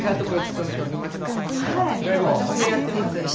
私がやってます。